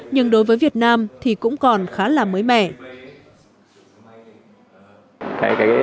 nhưng đối với việt nam thì cũng còn khá là mới mẻ